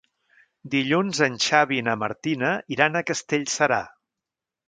Dilluns en Xavi i na Martina iran a Castellserà.